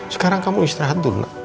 sekarang kamu istirahat dulu